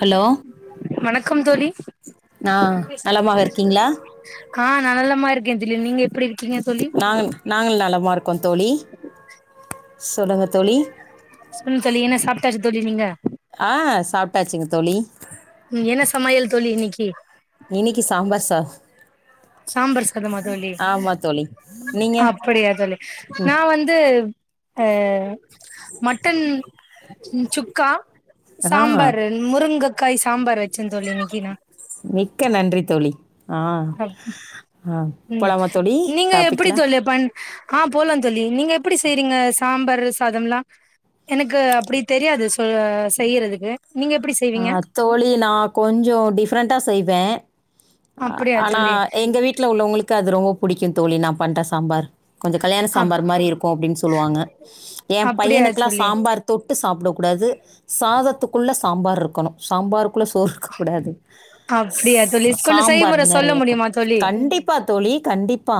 Hello வணக்கம் தோழி நான் நலமாக பேசுங்க இருக்கீங்களா ஆ நல்லமா இருக்கே தோழி நீங்க எப்டி இருக் நாங்க நாங்கள் நலம் க்கோம் தோழி சொல்லுங்கத் சொல்லு தோழி என்ன சாப்ட்டா தோழி நீங்க ஆ சாப்ட்டாச்சிங்க தோழி ம் என்ன சமையல் தோழி இன்னிக்கி ரசம் [unintelligible] சாம்பார் சாதமா தோழி தோழி நீங்கள் அப்படியா தோழி நா வந்து அ மட்டன் சுக்கா ஆ சாம்பாரு முருங்கைக்காய் சாம்பார் வச்சேன் தோழி இன்னிக்கி நா மிக்க நன்றி தோழி ஆ ஆ ம் போலாமா தோழி நீங்க எப்டி டாப்பிக்கில் தோழி பண் ஆ போலாந்தோழி நீங்க எப்டி செய்றீங்க சாம்பார் சாதம்லா எனக்கு அப்டி தெரியாது சொ செய்றதுக்கு ஆ தோழி நா கொஞ்சோ டிஃப்ரெண்டா செய்வே அ அப்படியா ஆனா தோழி எங்க வீட்ல உள்ளவங்களுக்கு அது ரொம்ப புடிக்குத் தோழி நா பண்ற சாம்பார் கொஞ்ச கல்யாண அப் சாம்பார் மாரி இருக்கும் அப்டின்னு சொல்லுவாங்க எம் அப்டியா பையனுகெல்லா தோழி சாம்பார் தொட்டு சாப்ட கூடாது சாதத்துக்குள்ள சாம்பார் இருக்கணும் சாம்பார் குள்ள சோறு இருக்க கூடாது அப்டியா தோழி ஸ் கொஞ்சோ சாம்பார் செய்முற சொல்ல நிறைய முடியுமா இருக்கனும் தோழி கண்டிப்பா தோழி கண்டிப்பா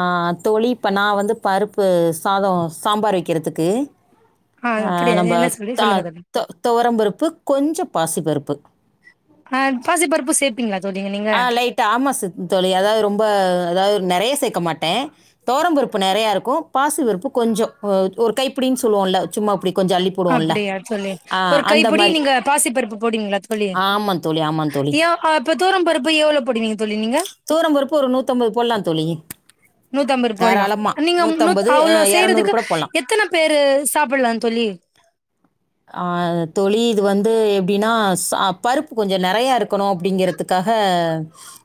அ ஆஹ் தோழி இப்போ நான் வந்து பருப்பு சாதம் சாம்பார் வைக்கிறதுக்கு ஆ ஆஹ் அப்டியா நம்ம என்ன சொல்லி த சொல்லுங்க தோழி துவரம்பருப் கொஞ்சோ பாசிப்பருப்பு ஆ பாசிப்பருப்பு சேப்பீங்களா தோழி நீங்க ஆஹ் லைட்டா ஆமாசத் தோழி அதாவது ரொம்ப அதாவது நிறைய சேக்க மாட்டேன் துவரம்பருப்பு நிறையா இருக்கும் பாசி வெறுப்பு கொஞ்சோம் ஒரு கைப்படின்னு சொல்லுவோம்ல சும்மா அப்படி கொஞ்சம் அள்ளிப்போடுவோம்ல அப்டியா தோழி ஆ ஒரு அந்த கைப்பிடி மாரி நீங்க பாசி பருப்பு போடுவீங்களா தோழி ஆமா தோழி, ஆமா தோழி. யோ அப்ப துவோரம் பருப்பு எவ்வளவு போடுவீங்க தோழி நீங்க துவரம்பருப்பு ஒரு போடலாம் தோழி. நூத்தம்பது போடலாம் தாராளமா. நீங்க நூத் அ அவ்ளோ செய்றதுக்கு கூட போடலாம். எத்தனை பேரு சாப்பிடலாம் தோழி ஆஹ் தோழி இது வந்து எப்படின்னா பருப்பு கொஞ்சம் நிறைய இருக்கணும் அப்படிங்கறதுக்காக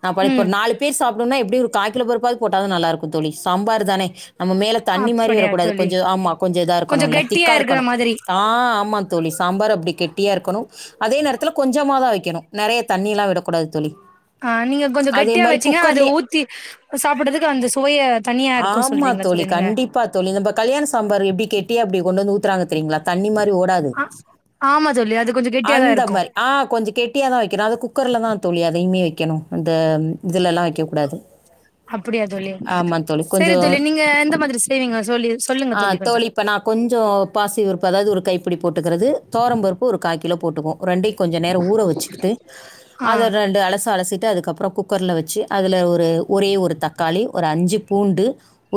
ந இப்ப ம் நாலு பேர் சாப்பிடும்னா எப்படியும் காக்கிலோ பருப்பாது போட்டா தா நல்லாருக்கு தோழி சாம்பார் தானே நம்ம மேல தண்ணி மாதிரி அப்படியா வரக்கூடாது தோழி கொஞ்ச ஆமா கொஞ்ச இதா கொஞ்சோ இருக்கணு இல்ல கெட்டியா திக்கா இருக்கிற இருக்கணும் மாதிரி ஆ ஆமா ஆமா தோழி சாம்பார் அப்படி கெட்டியா இருக்கணும் அதே நேரத்துல கொஞ்சமா தா வைக்கணும் நெறைய தண்ணி எல்லா விடக்கூடாது தோழி ஆ நீங்க கொஞ்சோ அதே கெட்டியா மாதிரி வச்சீங்கன்னா அது குக்கர்லே ஊத்தி சாப்புட்றதுக்கு அந்த சுவைய தனியா இருக்கு ஆமா சொல்றீங்களா தோழி நீங்க கண்டிப்பா தோழி நம்ம கல்யாண சாம்பார் எப்படி கெட்டியா அப்டி கொண்டு வந்து ஊத்துறாங்க தெரியுங்களா தண்ணி மாரி ஓடாது ஆ ஆமா தோழி அது கொஞ்சோ கெட்டியாதா அந்த இருக்கு மாரி ஆஹ் கொஞ்ச கெட்டியா தா வைக்கிற அது குக்கர்லதா தோழி [unintelligible] வெக்கணும் அந்த இதுல எல்லாம் வெக்க கூடாது அப்படியா தோழி சரி கொஞ்சம் தோழி நீங்க எந்த மாதிரி செய்வீங்க சொல்லி சொல்லுங்க ஆ தோழி கொஞ்சம் இப்போ இப்டி போட்டுக்கிறது தோரம்பருப்பு ஒரு காய் கிலோ போட்டுக்குவோ ரெண்டையும் கொஞ்ச நேரம் ஊற வச்சுக்கிட்டு ஆ அதஅத ரெண்டு அலசு அலசி அதுக்கப்புறம் குக்கர்ல வெச்சு அதுல ஒரு ஒரே ஒரு தக்காளி ஒரு அஞ்சு பூண்டு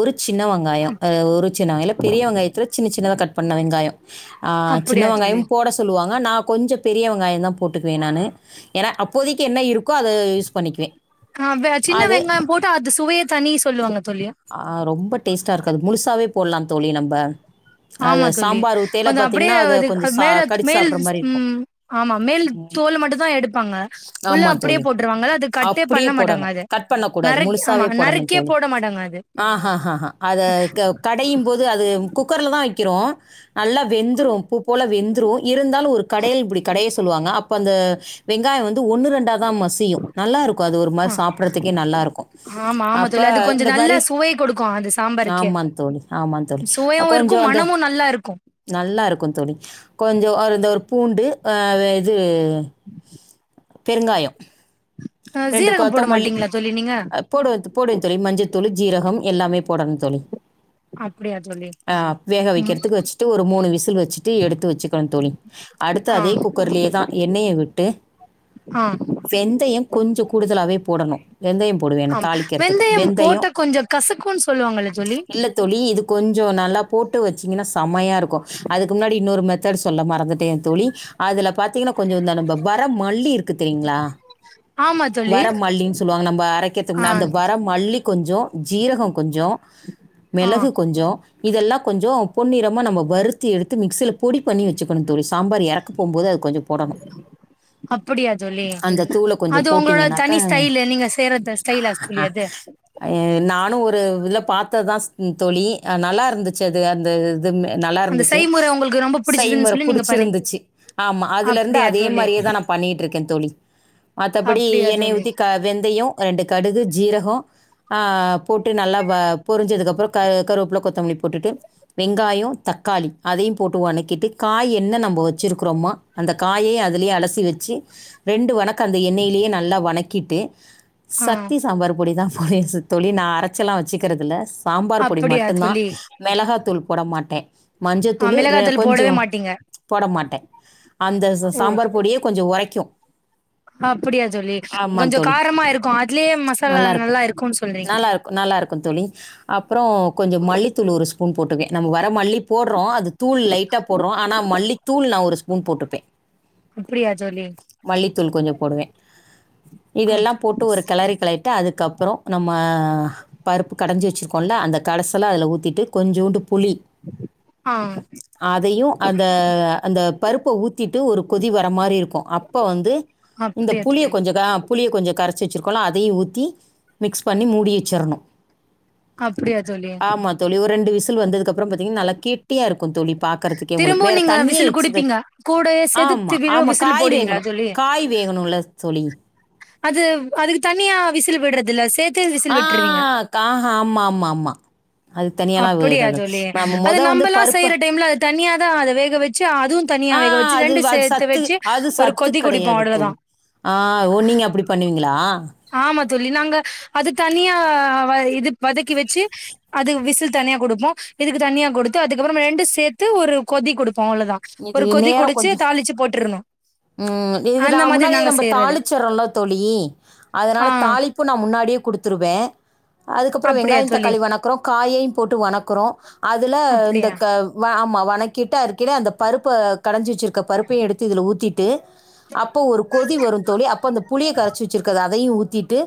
ஒரு சின்ன வெங்காயம் அப் ஒரு சின்ன வெங்காயம் பெரிய வெங்காயத்தில் சின்ன சின்னதாக கட் பண்ண வெங்காயம் ஆ சின்ன அப்படியா தோழி வெங்காயம் போட சொல்லுவாங்க நா கொஞ்சம் பெரியவங்காயம் தா போட்டுக்குவே நானு ஏன்னா அப்போதைக்கு என்ன இருக் ஆஹ் சின்ன அது வெங்காயம் போட்டு அது சுவைய தனி சொல்லுவாங்க தோழி ஆ ரொம்ப டேஸ்ட்டா இருக்காது. முழுசாவே போடலாம் தோழி நம்ம அது ஆமா தோழி சாம்பார் உத்தைல கொஞ்சோ பத் அப்படியே அதுக் மேல மேல் ம் ஆமா மேல் தோல மட்டும் தா எடுப்பாங்க உள்ள ஆமான் அப்படியே தோழி போட்டுருவாங்கல்ல அது கட்டே பண்ண அப்டியே மாட்டாங்க போடணும் அது கட் பண்ண கூடாது நறுக் ஆமா முழுசாவே போடணும் நறுக்கியே தோழி போட மாட்டாங்க அது ஆஹ்ஹஹஹா அத கடையும் போது அது குக்கர்லதான் கிறோம் நல்லா வெந்துரும் பூ போல வெந்துரு இ இருந்தாலும் ஒரு கடையில் இப்டி கடைய சொல்லுவாங்க அப்ப அந்த வெங்காயம் வந் து ஒன்னு ரெண்டா தான் மசியும் நல்லாருக்கும் அது ஒரு ஆ மாரி சாப்பர்ரதுக்கே நல்லா இருக்கு ஆமா ஆமா அப்ப தோழி அது கொஞ்சோ இந்த நல்லா மாரி சுவை கொடுக்கு அது சாம்பாருக்கே ஆம்மான் தோழி ஆம்மான் தோழி சுவையு இருக்கு கொஞ்சம் அந்த மனமு நல்லா இருக்கு நல்லாருக்கும் தோழி கொஞ்சம் அந்த ஒரு பூண்டு ஆஹ் இது பெருங்காயம் அ ரெண்டு சீரகம் போட கொத்தமல்லி மாட்டீங்களா தோழி நீங்க அது போடுவே தோ போடுவே தோழி மஞ்ச தொழு ஜீரகம் எல்லாமே போடணும் தோழி அப்படியா தோழி ஆஹ் வேக ம் வைக்கிறதுக்கு வச்சுட்டு ஒரு மூணு விசில் வச்சுட்டு எடுத்து வச்சுக்கணும் தோழி அடுத்து ஆ அதே குக்கர்லேயேதான் எண்ணெய விட் ட்டு ஆ வெந்தயம் கொஞ்சம் கூடுதலாவே போடணும் வெந்தயம் போடுவேன் நான் ஆம் தாளிக்கிறதுக்கு. வெந்தயம் போட்ட கொஞ்சம் கசக்கும்ன்னு சொல்லுவாங்கள்ள தோழி இல்ல தோழி, இது கொஞ்சம் நல்லா போட்டு வச்சீங்கன்னா செம்மையா இருக்கும் அதுக்கு முன்னாடி இன்னொரு மெத் தட் சொல்ல மறந்து டேன் தோழி அதுல பாத்தீங்கன்னா கொஞ்சம் ந நம்ம வ மல்லி இருக்கு தெரியீங்களா ஆமா தோழி வர மல்லின்னு சொல்லுவாங்க நம்ம அரைக்கிறதுக்கு ஆ முன்னா அந்த வர மல்லி கொஞ்சம் ஜீரகம் கொஞ்சம் ஆ மிளகு கொஞ்சம் இதெல்லா கொஞ்சோ பொன்னிறமா நம்ம வறுத்து எடுத்து மிக்சில பொடி பண்ணி வச்சுக்கணு தோழி சாம்பார் எறக்க போம்போது அது கொஞ்சோ போடணு அப்டியா தோழி அது கொஞ்சம் உங்களோட தனி போட்டிங்கனாக்கா ஸ்டைல் நீங்க செய்ற த ஸ்டைலா தோழி அது நானு ஒரு இதுல பாத்ததுதான் சி தோழி ஆஹ் நல்லா இருந்துச்சு அது அந்த நல்லா அந்த இருந்துச்சு செய்முறை உங்களுக்கு ரொம்ப புடிச்சதுன்னு செய்முற சொல்லி நீங்க புடிச்சு பண்ணி இருந்துச்சு ஆம்மா அதுல இருந்து அப்படியா அது தே தோழி மாரியே தான் நான் பண்ணிட்டு இருக்கேன் தோழி மத்தபடி அப்படியா எண்ணய தோழி ஊத்தி க வெந்தயம் ரெண்டு கடுகு ஜீரக கம் போட்டு நல்லா வ பொருஞ்சதுக்கப்பரம் க கருவப்பல கொத்தமல்லி போட்டுட்டு வெங்காயம் தக்காளி அதயும் போட்டு வன்க்கிட்டு காய் என்ன நம்போ வச்சுருக்குருமோ அந்த காயயும் அது லயே அலசி வச்சு ரெண்டு வணக்கு அந்த எண்ணெயிலயே நல்லா வணக்கிட்டு ஆ சக்தி சாம்பார் பொடி தான் போடுவே சி தோழி நா அரைச்செல்லா வச்சுக்கிறதில்ல சாம்பார் பொடி அப்படியா மட்டும்தான் தோழி மெளகா தூள் போட மாட்டேன் ஆ மஞ்சத்தூள் ர மிளகாத்தூள் போடவே கொஞ்சம் மாட்டீங்க போட மாட்டேன் அந்த ச ச ஓ சாம்பார் பொடியே கொஞ்சோ உரைக்கு அப்படியா தோழி ஆமாந் கொஞ்சோ தோழி காரமா இருக்கு அதுலயே மசாலா நல்லா இருக்கு இருக்குன்னு சொல்றீங்க நல்லா இருக்கு நல்லா இருக்கு தோழி அப்றோ கொஞ்சோ மல்லித்தூளு ஒரு ஸ்பூன் போட்ருக்கே நம்ம வர மல்லி போட்றோ அது தூள் லைட்டா போட்றோ ஆனா மல்லித்தூள் நா ஒரு ஸ் உம் போட்டுபே அப்படியா தோழி மல்லிதூள் கொஞ்சோ போடுவே இதெல்லா அப் போட்டு ஒரு கெளரி களயிட்டு அதுகப்றோ நம்ம பருப்பு கடஞ்சி வச்சிருக் கொண்ட அந்த கடசெல்லா அதுல ஊத்திட்டு கொஞ்சோண்டு புளி ஆ அதையு அந்த அந்த பருப்ப ஊத்திட்டு ஒரு கொதி வர மாரி இருக்கு அப்ப வந்து இந்த அப்டியா புளிய தோழி கொஞ்சோ புளிய கொஞ்சோ கரச்சி வச்சிரு க்கோல அதையு ஊத்தி மிக்ஸ் பண்ணி மூடி வெச்சர்ணு அப்டியா தோழி ஆமா தோழி ஒரு ரெண்டு விசில் வந்ததுகப்றோ பாத்திங்னா நல்லா கெட்டியா இருக்குந் தோழி பாக்கறதுக்கே உங்ளுக்கு திரும்பவு வேற நீங்க தண்ணியே விசில் எக்ஸ குடுப்பீங்க கூடயே சேத்து ஆம்மா திரும்ப ஆமா விசில் காய் போடுவீங்களா வேகணு தோழி காய் வேகணுல தோழி அது அதுக்கு தனியா விசில் விடறதில்ல ஆஹ் காஹ் ஆமா ஆமா ஆமா அது தனியாலாம் அப்படியா விடுறது. தோழி நம்ம ம். அது மொத வந்து நம்பெலா பருப்ப செய்யுற டைம்ல அது தனியாதா அத வேக வச்சு அதுவு தனியா ஆ வேக வச்சு அது ரெண்டு அது சேத்து சத்து வெச்சு அது ஒரு சத்து கொதி குடிப்போ கெடையாது அவ்ளோதா தோழி. ஆ ஓ! நீங்க அப்டி பண்ணுவீங்களா? ஆமா தோழி நாங்க அது தனியா வ இது வதக்கி வச்சு அது விசில் தனியா குடுப்போ இதுக்கு தனியா குடுத்து அதுக்கப்பறோ ரெண்டு சேத்து ஒரு கொதி குடு இது நேரோ கொஞ்சோ போட்டுருணு ம் இது நா அந்த மாதிரி முன்னாடியே நாங்க நம்ம செய்றது தாளிச்சர்ரோல தோழி அதனால ஆ தாளிப்பு நா முன்னாடியே குடுத்துருவே அதுகப்றோ அப்டியா வெங்காய தோழி தக்காளி வணக்குறோ காயையு போட்டு வணக்குறோ அதுல இந்த அப்டியா க ஆமா வணக்கி கிட்ட அருக்கைல அந்த பருப்ப கடஞ்சி வச்சிருக்க பருப்பயு எடுத்து இதுல ஊத்தி ட்டு அப்போ ஒரு கொதி வரு தோழி அப்ப அந்த புளிய கரச்சி வச்சிருக்றத அதயு ஊத்திட்டு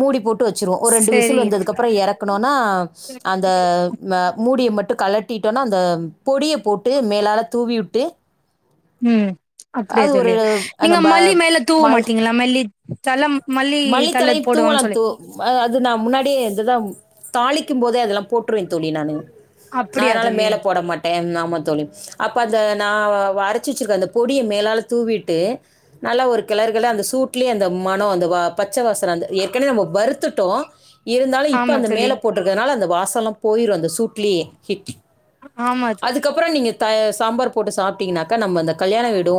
மூடி போட் டு வச்சிருவோ ஒரு ரெண்டு செரி விசில் வந்ததுக்கப்றோ எறக்குனோனா அந்த ம மூடிய மட்டு கழட் டிட்டோனா அந்த பொடிய போட்டு மேலால தூவிவுட்டு ம் அப்டியா தோழி நீங்க நம்ம மல்லி மேல தூவ மாட்டிங்களா மல்லி சலம் மல்லித்தழையு தூவலா தூ அது நா முன்னாடி இது தா தாளிக்கும் போதே அதெல்லா போட்டுருவே தோழி நானு நா அப்டியா அதனல தோழி மேல போட மட்டே நா ம்மா தோழி அப்ப அந்த நா வ வ அரச்சி வச்சிற்க அந்த பொடிய மேலால தூவிடு நல்லா ஒரு கெலரு கெல அந்த சூ ட்லயே அந்த மணோ அந்த வாப் பச்ச வாசன அந்த ஏற்கனவே நம்ம வருதுட்டோ இருந்தாலு இப்ப ஆமா அந்த தோழி மேல போட்ருகுறனால அந்த வாஸ் [unintelligible] போயிராத சூட்லீ ஹிட் ஆமா அதுகப்றோ நீங்க [unintelligible] சாம்பார் போட்டு சாப்ட்டிங்கனாக நம்ம இந்த கல்யாண வீடு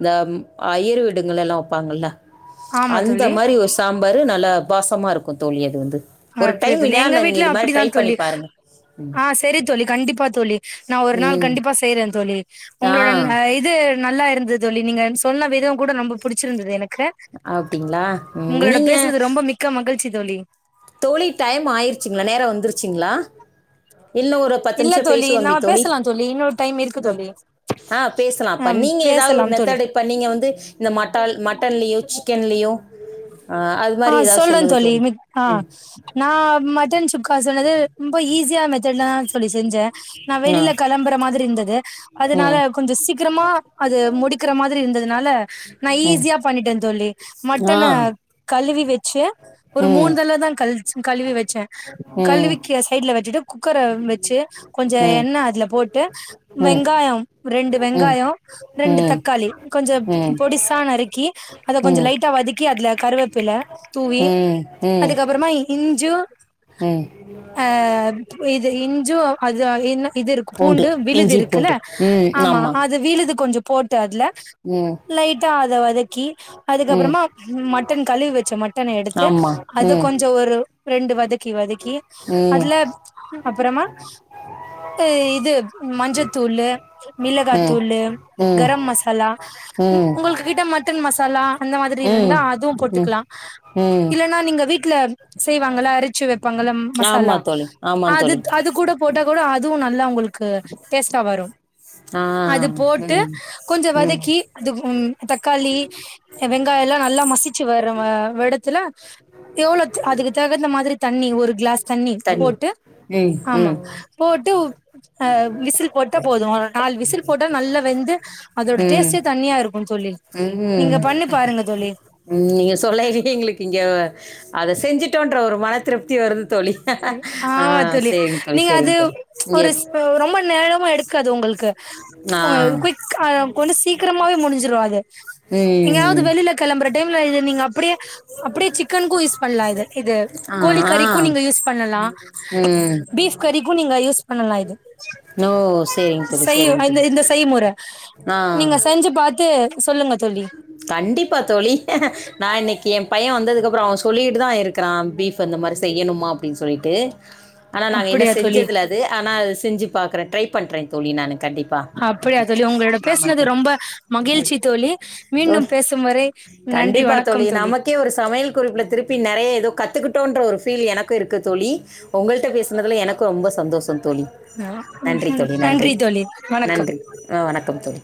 இந்த ம் ஐயர் வீடுங்கலெல்லா வப்பாங்கல ஆமா தோழி சாம்பாரு நல்லா வாசமா இருக்கு தோழி அது வந்து ஒரு அப்டிய டைம் தோழி வேணா எங்க நீங்க வீட்ல இது மாரி அப்டிதா ட்ரை பண்ணி தோழி பாருங்க. ஆ செரி தோழி கண்டிப்பா தோழி நா ஒரு நாள் ம். கண்டிப்பா செய்ற தொழி உங்களுடன் ஆ இது நல்லா இருந்துது தோழி நீங்க சொன்ன விதம் கூட ரொம்ப புடிசிருந்து எனக் க அப்டிங்களா? ம். உங்களோட நீங்க பேசுனது ரொம்ப மிக்க மகிழ்ச்சி தொழி தோழி டயம் ஆயிருசிங்கள நேரா வந்துருசிங்களா இல்ல தோழி நா பேசலா தோழி இன்னொரு டைம் இருக்கு அப் தோழி ஆ பேசலாம். அப்ப அம் நீங்க ஏதாவது ஒரு பேசலாம் தோழி மெத்தட் இப்ப நீங்க வந்து இந்த மட்டால் மட்டன்லயோ, சிக்கன்லயோ, அ அது அ மாரி ஏதாவது சொல்ற சொல்லுங்க தோழி மித் ஆ நா மட்டன் சுக்கா சொன்னது ம்ப ஈசியா மெத் [unintelligible] தோழி செஞ்சே நா ஆ வெளியில களம்புற மாதிரி இருந்தது அதுனால ம் கொஞ்சொ சீக்கிரமா அது முடிக்கிற மாதிரி இருந்ததுனால நா ம் ஈஸியா பண்ணிடே தொழி ஆ மட்டனு கல் கழுவி வெச் ச்சி ஒரு ம் மூண்தளத கல் கழுவி வச்சே ம் ம் கழுவிகு சைட்ல வச்சிட்டு குக்கர ச்சி கொஞ்சொ ம் எண்ணெ அதுல போட்டு ம் வெங்காயம் ரெண்டு ம் ம் வெங்காயொ ரெண்டு ம் தக்காளி கொஞ்சொ பொடிசா நறுக்கி அத கொஞ்சொ லைட்டா வதகி அதுல கருவேப்பில தூவி ம் ம் அதுகப்பறமா இஞ்சூ ம் ஆ இது இன் ஞ்சு அது [unintelligible] இது இருக்கு பூண்டு விழுது இஞ்சி இருக்குல்ல பூண்டு ம் ஆமா அது விழுது கொஞ்சொ போட்டு அதுல ம் லைட அத வதக்கி ம் அதுக்கபறமா மட்டன் கழுவி வச்ச மட்டன எடுத்து ஆமா அத ம் கொஞ்ஜொ ஒரு ரென்டு வது க்கி வதகி ம் அதுல அப்றமா ஏ இது மஞ்சதூளு ம் ம் மிளகாதூளு கரம் மசலா உங் ம் உங்களு கிட்ட மட்டன் மஹ் தலா அந்த மாதிரி இருந்தா ம் அதுவு ம் பொட்டுக்கலா ம் இல்லன்னா நீங்க விட் ட்ல செய்வாங்கள அரச்சு வ பங்களம் ஆமா மசாலா தோழி ஆமா அது தோழி அது போட்ட கூட அதுவு நல்லா உங்களுக்கு டேஸ்ட்டா வரு ஆ அது போட்டு ம் கொஞ்சோ ம் வதக்கி அது உ தக்காளி வெங்காய எல்லாம் நல்லா மசிச்சு வர வ வ வெடத்துல எவ்வளோ அதுக்கு தகுந்த மாதிரி தண்ணி ஒரு க்ளாஸ் தண்ணி போட்டு ம் ஆமா ம் போட்டு ஆஹ விசில் போட்டா போதும் ஒரு நாலு விசில் போட்டா நல்லா வெந்து அதோட ம் டேஸ்டே தனியா இருக்கும் தோழி ம் நீங்க பண்ணுபாருங்க தோழி நீங்க சொல்லையிலயே எங்களுக்கு இங்க அத செஞ்சுட்டோன்ற ஒரு மன திருப்தி வருது தோழி ஆ ஆமா தோழி சேரிங்க தோழி நீங்க அது சேரிங்க தோழி இங்க ஒரு ரொம்ப நேரமு எடுக்காது உங்கள்க்கு ஆ ஒனர் குயிக்கா கொஞ்ஜொ சீக்கிரமாவே முடிச்சுரு அது எங்கயாவது ம் வெளியில கெளம்பற டைம்ல இருந்தீங்க அப்டியே அப்டியே சிக்கனுக்கு யூஸ் பண்ணலா இது இது ஆ கோழி ஆ கறிக்கு நீங்க யூஸ் லா ம் பீஃப் கறிக்கு நீங்க யூஸ் பண்ணலா இது ஓ சேரிங்க தோழி செய் சேரிங்க இந்த தோழி இந்த செய்முற ஆ நீங்க செஞ்சு பாத்து சொல்லுங்க தோழி கண்டிப்பா தோழி நா இன்னக்கி எ பைய வந்தது அது அப்றோ அவ சொல்லிட்டு தா இருக்குறா பீஃப் அந்த மாரி செய்யணுமா அப்டின் சொல்லிட்டு ஆனா நாங்க இன்னு அப்படியா தோழி செஞ்சதுல்ல அது ஆனா செஞ்சு பாக்கறே டிரை பண்றே தோழி நானு கண்டிப்பா அப்படியா தோழி உங்களோட பேசுனது ரொம்ப மகிழ்ச்சி தோழி ஓ மீண்டும் பேசும் வரை நன்றி கண்டிப்பா தோழி வணக்கம் நமக்கே ஒரு சமையல் குறிப்புல திருப்பி நெறைய ஏதோ கத்துக்கிட்டோன்ற ஒரு ஃபீல் எனக்கு இருக்கு தோழி உங்கள்ட்ட பேச பேசுனதுல எனக்கு ரொம்ப சந்தோஷம் தோழி அஹ் நன்றி தோழி நன்றி தோழி வணக்கம் நன்றி ஆ வணக்கம் தோழி